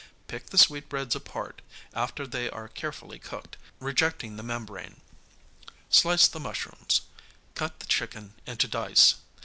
Pick the sweetbreads apart, after they are carefully cooked, rejecting the membrane. Slice the mushrooms. Cut the chicken into dice.